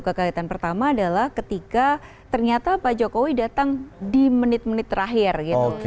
kekagetan pertama adalah ketika ternyata pak jokowi datang di menit menit terakhir gitu